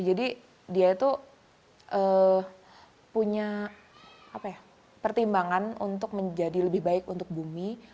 jadi dia itu punya pertimbangan untuk menjadi lebih baik untuk bumi